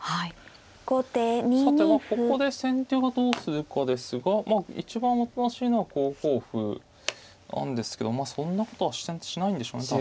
さてここで先手がどうするかですがまあ一番おとなしいのは５五歩なんですけどそんなことはしないんでしょうね